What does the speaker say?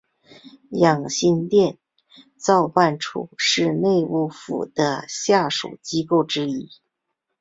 养心殿造办处是内务府的下属机构之一。